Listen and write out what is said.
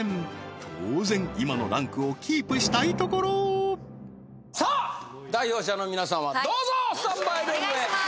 当然今のランクをキープしたいところさあ代表者の皆さんはどうぞスタンバイルームへお願いしまーす